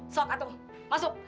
sok atuh masuk